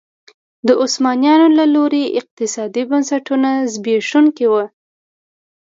د عثمانیانو له لوري اقتصادي بنسټونه زبېښونکي وو.